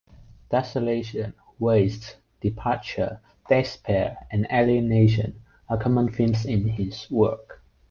Desolation, waste, departure, despair and alienation are common themes in his work.